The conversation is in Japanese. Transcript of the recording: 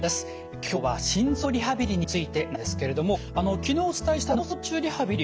今日は心臓リハビリについてなんですけれども昨日お伝えした脳卒中リハビリ